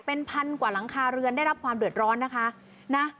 เป็นพันกว่าหลังคาเรือนได้รับความเดือดร้อนนะคะนะ